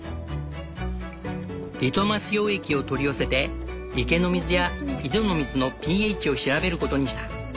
リトマス溶液を取り寄せて池の水や井戸の水のｐＨを調べることにした。